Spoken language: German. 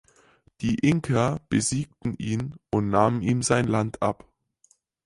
Die Inka besiegten ihn und nahmen ihm sein Land ab.